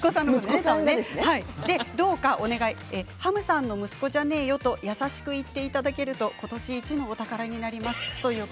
どうかお願いはむさんの息子じゃねえよ！と優しく言っていただけると今年一のお宝になります。